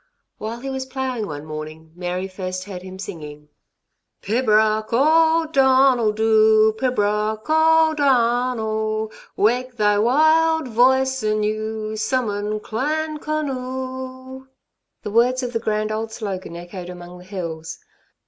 While he was ploughing one morning, Mary first heard him singing: Pibroch o' Donuil Dhu, Pibroch o' Donuil, Wake thy wild voice anew, Summon Clan Conuil. The words of the grand old slogan echoed among the hills.